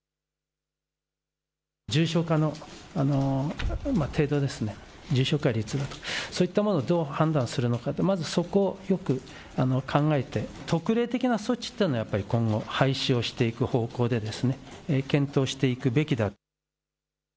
重症化の程度ですね、重症化率、そういったものをどう判断するのか、まずそこをよく考えて特例的な措置っていうのは今後、廃止をしていく方向でですね、検討していくべきだ。